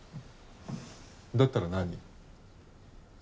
だったら何？